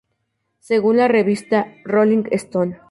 Según la revista "Rolling Stone".